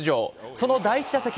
その第１打席。